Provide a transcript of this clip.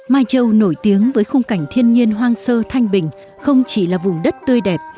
mai châu nổi tiếng với khung cảnh thiên nhiên hoang sơ thanh bình không chỉ là vùng đất tươi đẹp